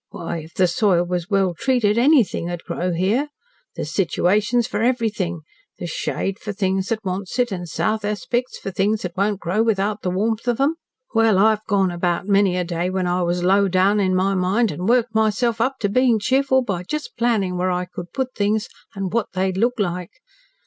"Why, if the soil was well treated, anything would grow here. There's situations for everything. There's shade for things that wants it, and south aspects for things that won't grow without the warmth of 'em. Well, I've gone about many a day when I was low down in my mind and worked myself up to being cheerful by just planning where I could put things and what they'd look like.